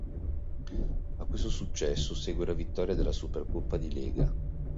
A questo successo segue la vittoria della Supercoppa di Lega.